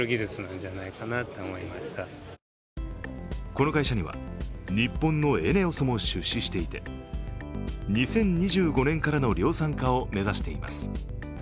この会社には、日本のエネオスも出資していて２０２５年からの量産化を目指しています。